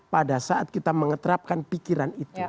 pada saat kita mengeterapkan pikiran itu